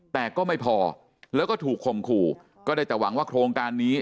แต่ก็ไม่พอแล้วก็ถูกคมขู่ก็ได้แต่หวังว่าโครงการนี้